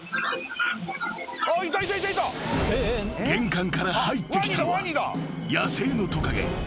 ［玄関から入ってきたのは野生のトカゲ。